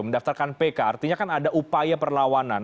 mendaftarkan pk artinya kan ada upaya perlawanan